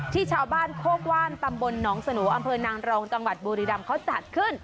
ที่ชาวบ้านโคกว่านตำบลหนองสโนอำเภอนางรองจังหวัดบุรีรำเขาจัดขึ้น